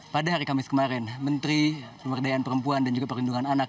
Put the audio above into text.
pada hari kamis kemarin menteri pemberdayaan perempuan dan juga perlindungan anak